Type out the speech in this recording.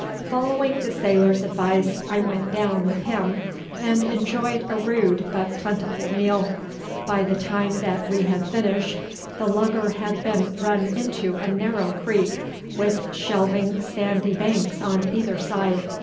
Following the sailor's advice I went down with him and enjoyed a rude but plentiful meal. By the time that we had finished, the lugger had been run into a narrow creek, with shelving sandy banks on either side.